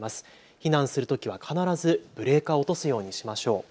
避難するときは必ずブレーカーを落とすようにしましょう。